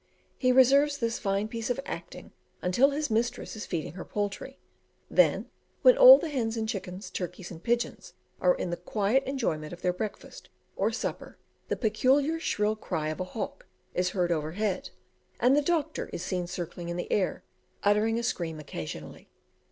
He reserves this fine piece of acting until his mistress is feeding her poultry; then, when all the hens and chickens, turkeys, and pigeons are in the quiet enjoyment of their breakfast or supper, the peculiar shrill cry of a hawk is heard overhead, and the Doctor is seen circling in the air, uttering a scream occasionally.